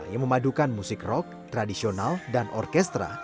yang memadukan musik rock tradisional dan orkestra